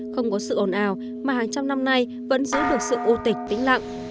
không có sự ồn ào mà hàng trăm năm nay vẫn giữ được sự ưu tịch tĩnh lặng